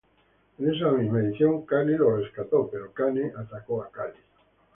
En esa misma edición, Khali lo rescató, pero Kane atacó a Khali.